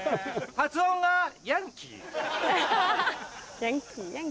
発音がヤンキー。